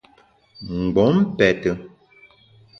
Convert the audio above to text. Mgbom pète.